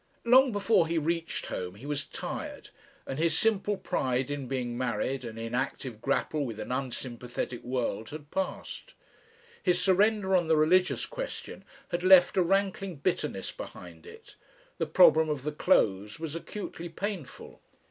Long before he reached home he was tired, and his simple pride in being married and in active grapple with an unsympathetic world had passed. His surrender on the religious question had left a rankling bitterness behind it; the problem of the clothes was acutely painful.